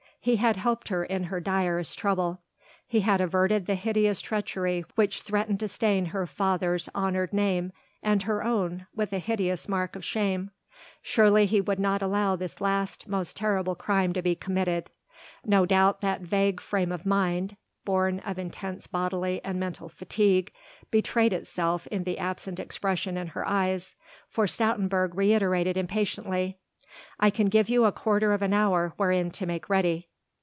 He had helped her in her direst trouble; He had averted the hideous treachery which threatened to stain her father's honoured name and her own with a hideous mark of shame; surely He would not allow this last most terrible crime to be committed. No doubt that vague frame of mind, born of intense bodily and mental fatigue, betrayed itself in the absent expression in her eyes, for Stoutenburg reiterated impatiently: "I can give you a quarter of an hour wherein to make ready."